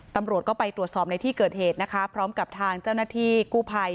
ตำรวจก็ไปตรวจสอบในที่เกิดเหตุนะคะพร้อมกับทางเจ้าหน้าที่กู้ภัย